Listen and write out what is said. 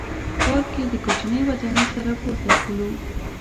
پارک کې د کوچنۍ ودانۍ سر ته پورته شولو.